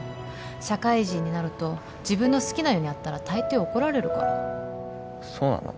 社会人になると自分の好きなようにやったら大抵怒られるからそうなの？